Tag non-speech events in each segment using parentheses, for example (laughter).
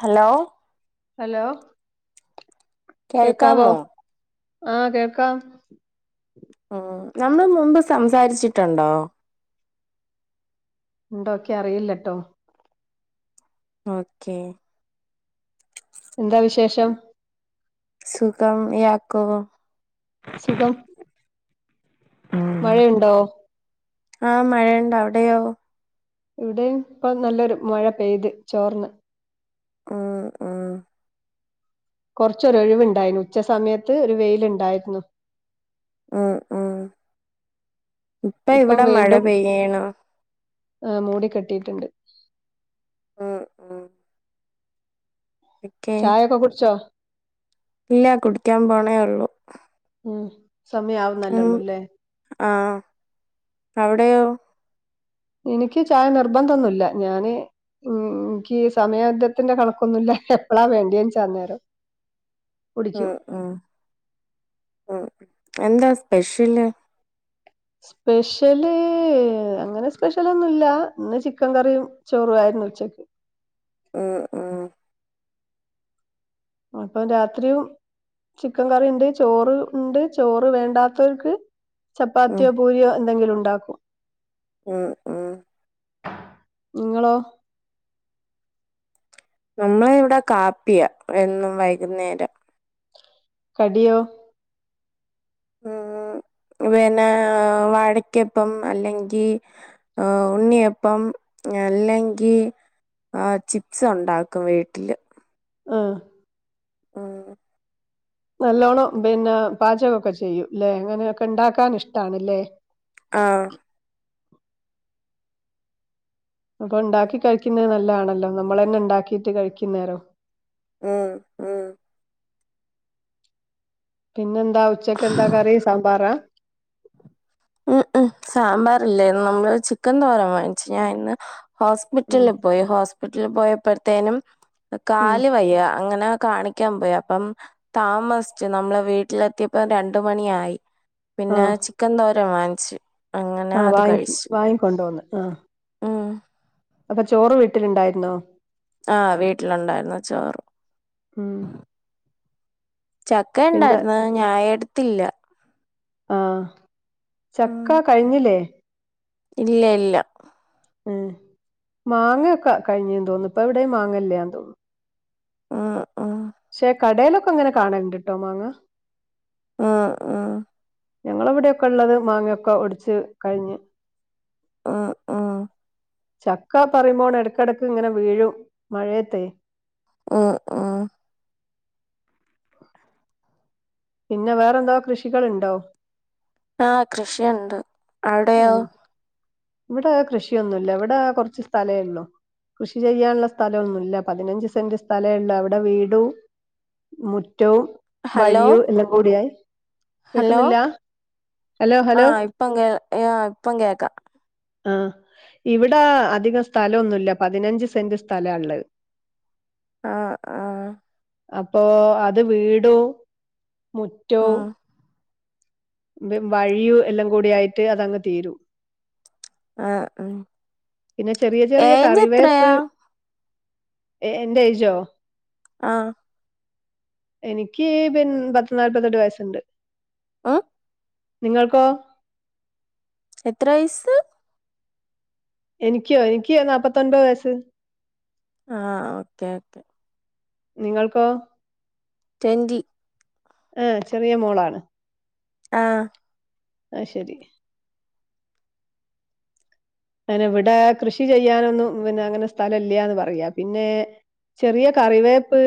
Hello hello കേക്കാവോ കേൾക്കാമോ ആ കേക്കാം ഉം നമ്മൾ മുമ്പ് സംസാരിച്ചിട്ടുണ്ടോ ണ്ടോ ക്യറിയില്ലട്ടോ ഓക്കേ എന്താ വിശേഷം സുഖം ഇയാക്കോ സുഖം ഉം മഴയുണ്ടോ ആഹ് മഴയുണ്ടവിടെയോ ഇവിടെയും പ്പം നല്ലൊരു മഴ പെയ്ത് ചോർന്ന് ആഹ് അഹ് കൊർച്ചൊരൊഴിവുണ്ടായിനുച്ച സമയത്ത് ഒരു വെയിലുണ്ടായിരുന്നു ആഹ്‌ ആഹ്‌ ഇപ്പം മഴ വീണ്ടും പെയ്യണു ഹ്‌ മൂടി കെട്ടിട്ടുണ്ട് ഉം ഉം ഓക്കെ ചായൊക്കെ കുടിച്ചോ ഇല്ല കുടിക്കാൻ പോണേ ഒള്ളു ഉം സമയാവുന്നല്ലേള്ളൂല്ലേ ആഹ്‌ അവിടെയോ എനിക്ക് ചായ നിർബന്തൊന്നുല്ല ഞാന് മം എനിക്ക് സമയവിദ്ധത്തിന്റെ കണക്കൊന്നുല്ല എപ്പഴാ വേണ്ടിയെന്ന് വച്ചാ അനേരം ഉം കുടിക്യും ഉം ഉം എന്താ സ്പെഷ്യല് സ്പെഷ്യല്, അങ്ങനെ സ്പെഷ്യലൊന്നുല്ല ഇന്ന് ചിക്കൻ കറിയും ച്ചോറുവായിരുന്നു ഉച്ചക്ക് ഉം ഉം അപ്പം രാത്രിയും ചിക്കൻ കറിണ്ട്, ചോറ് ഇണ്ട്, ചോറ് വേണ്ടാത്തോൽക്ക് ഉം ചപ്പാത്തിയോ പൂരിയോ എന്തെങ്കിലുണ്ടാക്കും ഉം ഉം ഇങ്ങളോ നമ്മള് ഇവിടെ കാപ്പിയാ എന്നും വൈകുന്നേരം. കടിയോ? (inaudible) പിനൊ വാഴക്യപ്പം അല്ലെങ്കി ആഹ് ഉണ്ണിയപ്പം അല്ലെങ്കി ആഹ് ചിപ്സ് ഉണ്ടാക്കും വീട്ടില്. ഉം ആഹ് നല്ലോണം പിന്നെ പാചകൊക്കെ ചെയ്യും ല്ലേ അങ്ങനെയൊക്കെ ഇണ്ടാക്കാൻ ഇഷ്ട്ടാണ്ല്ലേ. ആഹ് അപ്പൊണ്ടാക്കി കഴിക്കുന്നേ നല്ലാണല്ലോ നമ്മളന്നെ ഇണ്ടാക്കീട്ട് കഴിക്കുന്നേരം. ഉം ഉം പിന്നെന്താ ഉച്ചക്ക് എന്താ കറി സാമ്പാറാ. ഉം ഉം സാമ്പാറല്ലേന്ന് നമ്മള് ചിക്കൻ തോരൻ വാങ്ങിച്ചു. ഞാൻ ഇന്ന് ഉം ഹോസ്പിറ്റല്ല് പോയി ഹോസ്പിറ്റല്ല് പോയപ്പോഴ്‌ത്തേനും. ഉം കാല് വയ്യ അങ്ങനെ കാണി ക്കാൻ പോയി അപ്പം താമസ്ച്ചു നമ്മളെ വീട്ടിലെത്തിയപ്പ രണ്ട് മണിയായി. പിന്നേ ആഹ് ചിക്കൻ തോരൻ വാങ്ങ്ച്ച്. ആഹ് വാങ്ങിക്കി വാങ്ങിക്കൊണ്ടോന്ന് ആഹ്. ഉം അപ്പൊ ചോറ് വീട്ട്ല്ണ്ടായിരുന്നോ? ആഹ് വീട്ടിലുണ്ടായിരുന്നു ചോറ്. ഉം പിന്നെ ചക്കണ്ടായിര്ന്ന് ഞാഎടുത്തില്ല. ആഹ് ഉം ചക്ക കഴിഞ്ഞിലേ? ഇല്ല ഇല്ല ഉം മാങ്ങൊക്കെ കഴിഞ്ഞൂന്ന് തോന്നുന്നു ഇപ്പ എവിടെയും മാങ്ങല്ലാന്ന് തോന്നുന്നു. ആഹ് ക്ഷേ കടേലൊക്കെങ്ങനെ കാണ് ണ്ട്ട്ടോ മാങ്ങ. ആഹ് ആഹ് ഞങ്ങളിവിടൊക്കെള്ളത് മാങ്ങയൊക്കെ ഒടിച്ച് കഴിഞ്ഞ്. ആഹ് ആഹ് ചക്കാ പറയുമ്പോണ് എടക്കെടക്ക്ങ്ങനെ വീഴും മഴയത്തെ. ആഹ് ആഹ് പിന്നെ വേറെന്താ കൃഷികള്ണ്ടോ? ആഹ് കൃഷിയുണ്ട്. അവിടെയോ ഉം ഇവിടെ കൃഷിയൊന്നുല്ല ഇവിടേ കൊറച്ച് സ്ഥലേ ഒള്ളൂ. കൃഷി ചെയ്യാള്ള സ്ഥലൊന്നുല്ല പതിനഞ്ച് സെന്റ് സ്ഥലേള്ളൂ അവിടെ വീടും. മുറ്റവും ഹലോ വഴിയും എല്ലം കൂടിയായി. ഹലോ കേക്കുന്നില്ല ഹലോ ഹലോ ആഹ് ഇപ്പൊ കേ യ്യോ ഇപ്പം കേക്കാ ആഹ് ഇവിടാ അധികം സ്ഥലൊന്നുല്ല പതിനഞ്ച് സെന്റ് സ്ഥലാഉള്ളത്. (inaudible) ആഹ് ആഹ് അപ്പോ അത് വീടും മുറ്റും. ഉം വഴിയുഎല്ലാം കൂടി ആയിട്ട് അതങ്ങ് തീരും. ആഹ് ഉം പിന്നെ ചെറിയ ചെറിയ ഏജ് എത്രയാ കറിവേപ്പ്. ഏ എന്റെ ഏജോ? ആഹ് എനിക്ക് പിൻ പത്ത്നാല്പ്പത്തെട്ട് വയസ്സുണ്ട്. ഉം നിങ്ങൾക്കോ എത്ര വയസ്സ്? എൻക്ക്യോ എൻക്ക് നാപ്പത്തൊൻപത് വയസ്സ്. ആ ഓക്കേ ഓക്കേ. നിങ്ങൾക്കോ? റ്റൊന്റീ ആ ചെറിയ മോളാണ്. ആഹ് അയ്ശേരി അയ്‌നി വിടെ കൃഷി ചെയ്യാനൊന്നും പിന്നെ ങ്ങനെ സ്ഥലം ഇല്ലന്ന് പറയാ പിന്നെ ചെറിയ കറിവേപ്പ്,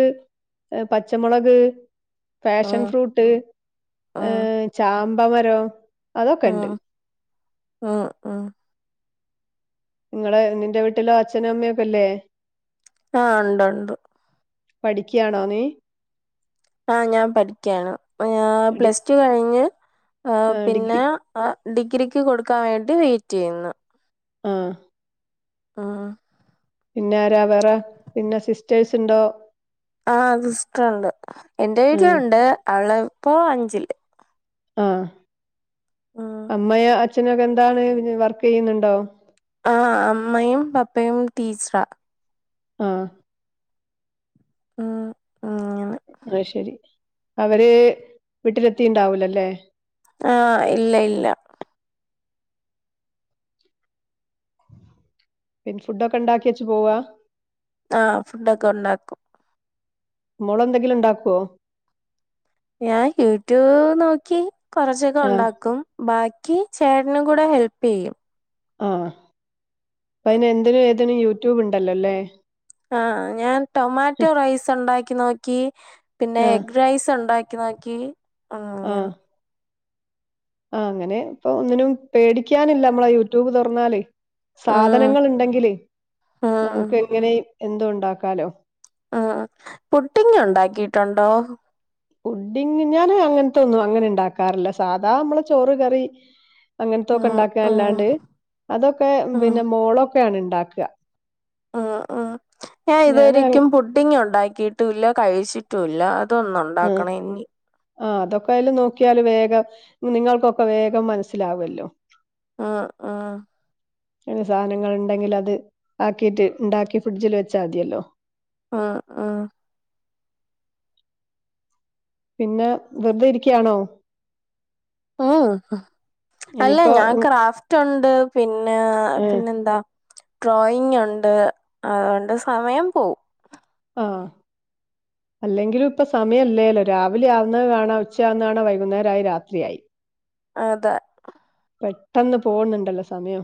പച്ചമുളക് ഫേഷൻ ഉം ഫ്രൂട്ട്, ഉം ചാമ്പ മരം ആഹ് ആഹ് ആഹ് നിങ്ങളെ നിന്റെ വീട്ടിലോ അച്ഛനും അമ്മയൊക്കെയില്ലേ? ആ ണ്ടുണ്ട്. പഠിക്ക്യാണോ നീ? ആ ഞാൻ പഠിക്ക്യാണ്. ആ ഡി പ്ലസ് ടു കഴിഞ്ഞ് ആ ആഹ് പിന്നെ ഡിഗ്രി ആ ഡിഗ്രിക്ക് കൊടുക്കാൻ വേണ്ടി വൈറ്റെയ്യുന്നു. ആഹ് ആഹ് പിന്നെ ആരാ വേറെ പിന്നെ സിസ്റ്റേഴ്സ്ണ്ടോ? ആ സിസ്റ്ററുണ്ട് എന്റെ ഉം വീട്ടിലുണ്ട് അവളിപ്പോ അഞ്ചില്. ആ ഉം അമ്മയോ അച്ഛനൊക്കെ എന്താണ് വർക്ക് യ്യുന്നുണ്ടോ? ആ അമ്മയും പപ്പയും ടീച്ചറ. ആഹ് ആഹ് ആഹ് ആയ്ശരി അവര് വീട്ടിലെത്തിണ്ടാവൂലല്ലേ? ആ ഇല്ല ഇല്ല പിൻ ഫുഡൊക്കെണ്ടാക്കിച്ച് പോവാ? ആ ഫുഡോക്കെ ഉണ്ടാക്കും. മോളെന്തെങ്കിലും ണ്ടാക്കോ? ഞാൻ യൂട്യൂവ് നോക്കി കൊറച്ചൊക്കെ ആഹ് ഉണ്ടാക്കും. ബാക്കി ചേട്നും കൂടെങ്ങ് ഹെൽപ്പെയ്യും. ആ പ്പയ്ന് എന്തിനും ഏതിനും യൂട്യൂബ് ഉണ്ടല്ലോല്ലേ. ആ ഞാൻ ടൊമാറ്റോ റൈസുണ്ടാക്കി നോക്കി പിന്നെ ആഹ് എഗ് റൈസ് ഉണ്ടാ ക്കി നോക്കി ആ ആഹ് അങ്ങനെ പ്പൊ ഒന്നിനും പേടിക്കാനില്ല മ്മളെ യൂട്യൂബ് തുറന്നാല് ഉം സാധനങ്ങള്ണ്ടെങ്കില് ഉം നമുക്ക് എങ്ങനെയും എന്തും ണ്ടാക്കാലോ. ആ പുട്ടിങ്ങ് ഉണ്ടാക്കിട്ടുണ്ടോ? പുഡിങ് ഞാൻ അങ്ങനത്തൊന്നും അങ്ങനെ ണ്ടാക്കാറില്ല. സാധാ മ്മളെ ചോറ്കറി അങ്ങൻത്തൊക്കെ ഉം ണ്ടാക്ക ഉം അല്ലാണ്ട് അതൊക്കെ ഉം പിന്നെ മോളൊക്കെയാണ് ണ്ടാക്ക. ആ ആ ഞാൻ ഇത് വരേയ്ക്കും പുഡിങ് ഉണ്ടാക്കിട്ടുല്ല കഴിച്ചിട്ടുല്ല. ഇതൊന്ന് ഉണ്ടാക്കണെയ്നി ആ അതൊക്കെ അയ്ല് നോക്കിയാല് വേഗം നിങ്ങൾക്കൊക്കെ വേഗം മനസ്സിലാവല്ലോ ആഹ്‌ ആഹ്‌ ഞ്ഞി സാധനങ്ങൾ ണ്ടെങ്കിൽ അത് ആക്കിട്ട് ണ്ടാക്കി ഫ്രിഡ്ജിൽ വെച്ചാൽ മതിയല്ലോ ആഹ്‌ ആഹ്‌ പിന്നെ വെറുതെ ഇരിക്ക്യാണോ? ഉ ഉ അല്ല ഇനിയിപ്പോ ഞാൻ ഉം, ക്രാഫ് റ്റുണ്ട് പിന്നെ ഏ, പിന്നെ എന്താ ഡ്രോയിങ് ഒണ്ട് അതൊണ്ട് സമയം പോവും ആഹ്‌ അല്ലെങ്കിലും ഇപ്പ സമയമല്ലല്ലോ രാവിലെ ആവുന്ന കാണാം ഉച്ച ആവുന്ന കാണ വൈകുന്നേരയി രാത്രിയായി അതെ പെട്ടെന്ന് പോവ്ന്ന്ണ്ടല്ലോ സമയം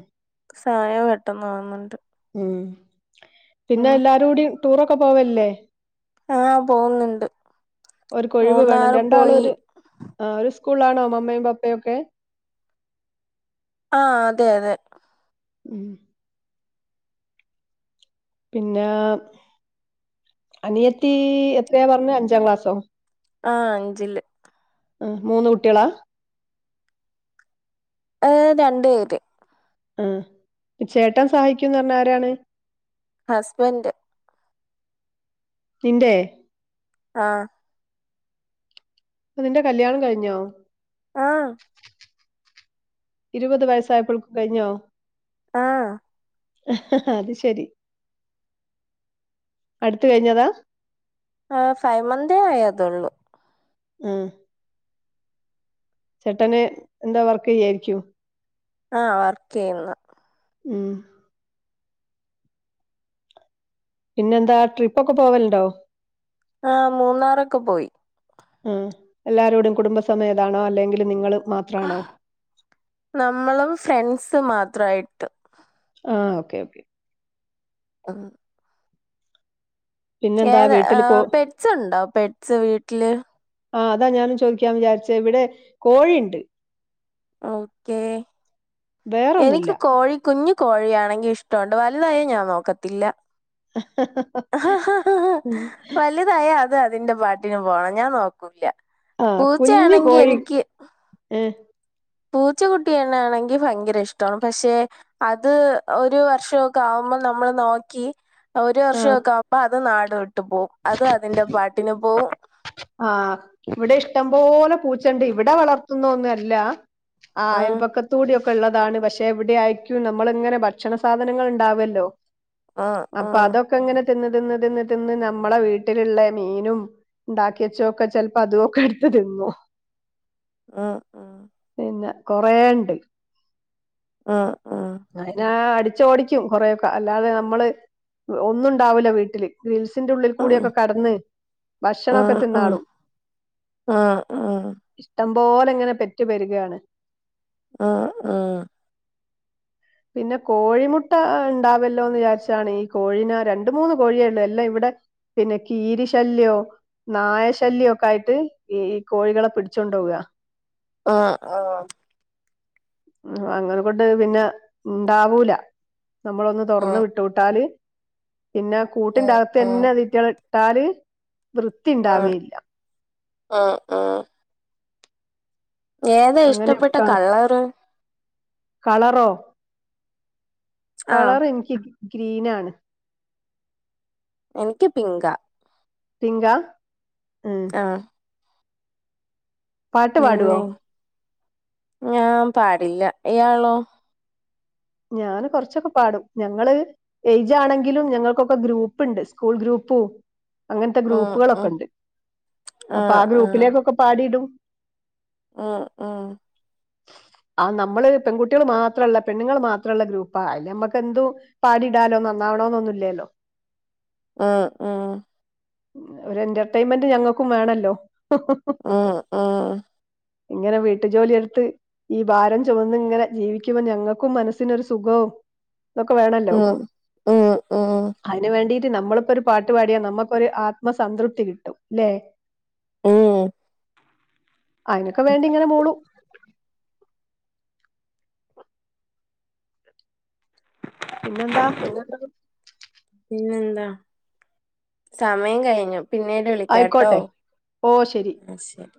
സഹായം പെട്ടെന്ന് ആവുന്നുണ്ട് ഉം പിന്നെ എല്ലാരും ടിം ടൂറൊക്കെ പോവൽല്ലേ ആഹ്‌ പോവ്ന്ന്ണ്ട് ഒരു കൊഴിവ് വേണം രണ്ടാളും ഒരു ഒരു സ്കൂളാണോ മമ്മയും പപ്പയും ഒക്കെ ആഹ്‌ അതെ അതെ ഉം പിന്നെ അനിയത്തി എത്രയ പറഞ്ഞേ അഞ്ചാം ക്ലാസ്സോ ആഹ്‌ അഞ്ചില് ആഹ്‌ മൂന്ന് കുട്ട്യാള ഏഹ് രണ്ട് പേര് ആഹ്‌ ചേട്ടൻ സഹായിക്കുംന്ന് ന്നർഞ്ഞ ആരാണ് ഹസ്ബൻഡ് നിന്റെ ആഹ്‌ അപ്പ നിന്റെ കല്യാണം കഴിഞ്ഞോ ആഹ്‌ ഇരുപത് വയസ്സായപ്പോഴൊൾക്കും കഴിഞ്ഞോ ആഹ്‌ ആഹ് അത് ശരി അടുത്ത് കഴിഞ്ഞതാ ആഹ്‌ ഫൈവ് മന്തെ‌ ആയതൊള്ളൂ മ് ചേട്ടന് എന്താ വർക്ക് ചെയ്യായിരിക്കും ആഹ് വർക്ക് ചെയ്യുന്ന് ഉം പിന്നെന്താ ട്രിപ്പൊക്കെ പോവല്ണ്ടോ ആഹ് മൂന്നാറൊക്കെ പോയി ആഹ്‌ എല്ലാരോടും കുടുംബസമേതാണോ അല്ലെങ്കിൽ നിങ്ങൾ മാത്ര നമ്മളും ഫ്രണ്ട്സ് മാത്രായിട്ട് ആഹ്‌ ഓക്കേ ഓക്കേ ആഹ് പിന്നെന്താ ഏത് വീട്ടിൽ കോ പെഡസ് ഉണ്ടോ പെഡ്സ് വീട്ടില് ആഹ്‌ അതാ ഞാനും ചോദിക്കാൻ വിചാരിച്ചേ ഇവിടെ കോഴിണ്ട് ഓക്കേ വേറൊന്നുല്ല എനിക്ക് കോഴിക്കുഞ്ഞ് കോഴിയാണെങ്കി ഇഷ്ടണ്ട് വലുതായല് ഞാൻ നോക്കത്തില്ല ആഹ് ഉം വല്തായൽ അത് അതിന്റെ പാട്ടിന് പോണം ഞാൻ നോക്കൂല്ല പൂച്ചയാണെങ്കി എനിക്ക് ഉം പൂച്ചക്കുട്ടിണ് ആണെങ്കിൽ ഭയങ്കര ഇഷ്ട പക്ഷെ അത് ഒരു വർഷൊക്കെ ആവുമ്പോൾ നമ്മള് നോക്കി. ഒരു വർഷം ആഹ് വെക്ക ആമ്പോ അത് നാട് വിട്ട് പോവും അത് അതിന്റെ പാട്ടിന് പോവും. ആഹ് ഇവിടെ ഇഷ്ടം പോലെ പൂച്ചണ്ട് ഇവിടെ വളർത്തുന്ന ഒന്നുഅല്ല. ആഹ് അയൽ ഉം പക്കത്ത്. ത്തൂടി ഒക്കെ ഉള്ളതാണ് പക്ഷെ ഇവിടെയായിരിക്കും നമ്മള് ഇങ്ങനെ ഭക്ഷണ സാധനങ്ങൾ ഇണ്ടാവല്ലോ. ഉം അപ്പൊ ഉം അതൊ ക്കങ്ങനെ തിന്ന് തിന്ന് തിന്ന് തിന്ന് നമ്മള വീട്ടിലുള്ള മീനും ണ്ടാക്കി. ക്ക് ച്ചൊക്കെ ചെൽപ്പോ അതുക്കെ ടുത്ത് തിന്നു. മ് പിന്നെ കൊറേണ്ട്. ആഹ്. മ് അതിനാ അടിച്ചോടിക്കും കൊറെയൊക്കെ അല്ലാതെ നമ്മള് ഒന്നുണ്ടാവ്ല വീട്ടില്. ഗ്രിൽസിന്റെള്ളിൽ കൂടിയൊക്കെ കടന്ന് ഭക്ഷണൊ. അഹ് ആഹ് ആഹ്. ഇഷ്ടം പോലെങ്ങനെ പെറ്റു പെരു കാണ്. ആ മ്മ് പിന്നെ കോഴിമുട്ട ഉണ്ടാവല്ലോ എന്ന് വിചാരിച്ചാണ് ഈ കോഴീനെ രണ്ട് മൂന്ന് കോഴിയേ യുള്ളൂ എല്ലാം ഇവിടെ. പിന്നെ കീരി ശല്യോ. നായശല്യൊക്കെ ആയിട്ട് ഈ ഈ കോഴികളെ പിടിച്ചോണ്ടവ ആ ആഹ്. മ് അങ്ങനെ കൊണ്ട് പിന്നെ ഇണ്ടാവൂല നമ്മളൊന്ന് തുറന്ന് ഉം വിട്ട്. ട്ടൂട്ടാല് പിന്നെ കൂട്ടിന്റെ ഉം ഉം അകത്ത്ന്നെ ഉം തി റ്റള ഇട്ടാല്. വൃത്തിണ്ടാവേയില്ല. ആ ഏതാ ഇഷ്ടപ്പെട്ട അങ്ങനെയൊക്കാ കളറ്? കളറോ. ആഹ് കളർ ഇനിക്ക് ഗ്രീനാണ്. എനിക്ക് പിങ്കാ. പിങ്കാ.. എമ്. അ പാട്ട് പാടുവോ പിന്നെയ് ഞാൻ പാടില്ല ഇയാളോ. ഞാന് കൊറച്ചൊക്കെ പാടും ഞങ്ങള്. ഏയ്ജാണെങ്കിലും ഞങ്ങൾക്കൊക്കെ ഗ്രൂപ്പുണ്ട് സ്കൂൾ ഗ്രൂപ്പും. അങ്ങനത്തെ ഉം ഉം ഗ്രൂപ്പുകളൊക്കെണ്ട് അപ്പൊ ആ ആഹ് ഗ്രൂപ്പിലേക്കൊക്കെ പാടിടും. ആഹ് ആഹ് ആ നമ്മള് പെൺകുട്ടികൾ മാത്രള്ള പെണ്ണ്ങ്ങൾ മാ. ത്രള്ള ഗ്രൂപ്പാ അയ്ല് നമ്മക്ക് എന്തും പാടിടാലോ നന്നാവണോന്നൊന്നുല്ലല്ലോ. അ ആഹ്. ഒരു എന്റർടൈൻമെന്റ് ഞങ്ങൾക്കും വേണല്ലോ. ഉം ഉം ഇങ്ങനെ വീട്ടു ജോലിയടുത്ത് ഈ ഭാരം ചുവന്ന് ങ്ങനെ ജീവിക്കുമ്പോ ഞങ്ങക്കും മനസ്. നൊരു സുഖവും തൊക്കെ വേണല്ലോ. ഉം ഉം ഉം അയിന് വേണ്ടിട്ട് നമ്മളിപ്പോ ഒരു പാട്ട് പാടിയാ നമുക്കൊരു ആത്മസംതൃപ്തി കിട്ടും. ല്ലെ. ഉം അയിനൊക്കെ വേണ്ടി ങ്ങനെ മൂളും. പിന്നെന്താ പിന്നെന്താണ്. പിന്നെന്താ. സമയം കഴിഞ്ഞു പിന്നെ. ന്നെ ളിക്കാട്ടോ ആയിക്കോട്ടെ ഓ ശരി ന്നാ ശരി.